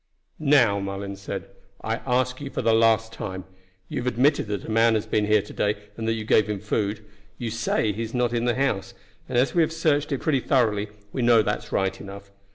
"Now," Mullens said, "I ask you for the last time. You have admitted that a man has been here to day, and that you gave him food. You say he is not in the house; and as we have searched it pretty thoroughly, we know that's right enough.